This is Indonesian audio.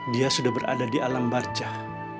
dia sudah berada di alam barcah